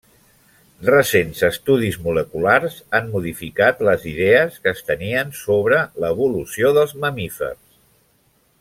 Recents estudis moleculars han modificat les idees que es tenien sobre l'evolució dels mamífers.